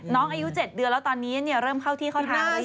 น้องอายุ๗เดือนแล้วตอนนี้เริ่มเข้าที่ข้อทางหรือยัง